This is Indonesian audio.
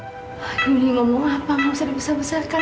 ibu ini ngomong apa gak usah dibesar besarkan